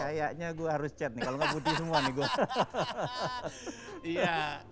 kayaknya gua harus cet nih kalau enggak putih semua nih gua